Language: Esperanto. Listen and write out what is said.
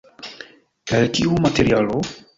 El kiu materialo?